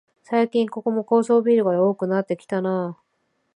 最近ここも高層ビルが多くなってきたなあ